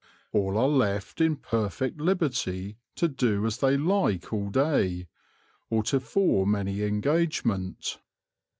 All are left in perfect liberty to do as they like all day, or to form any engagement.